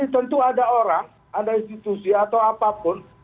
tentu ada orang ada institusi atau apapun